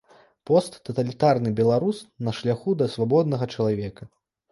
Посттаталітарны беларус на шляху да свабоднага чалавека.